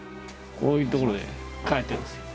こういう所で描いてるんですよ。